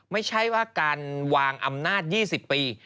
ไม่ใช่ว่าการวางอำนาจ๒๐ปี